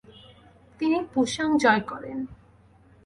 তিনি পুশাং জয় করেন।